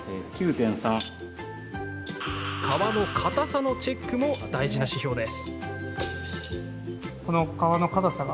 皮の硬さのチェックも大事な指標です。